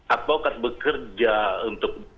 advokat bekerja untuk